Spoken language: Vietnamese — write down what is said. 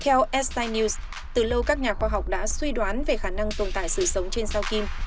theo estan news từ lâu các nhà khoa học đã suy đoán về khả năng tồn tại sự sống trên sao kim